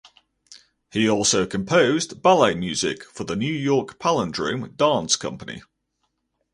He also composed ballet music for the New York Palindrome Dance Company.